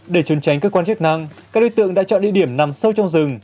để trốn tránh cơ quan chức năng các đối tượng đã chọn địa điểm nằm sâu trong rừng